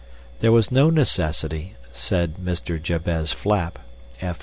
There was no necessity, said Sir Jabez Flap, F.